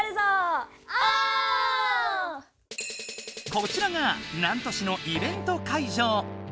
こちらが南砺市のイベント会場。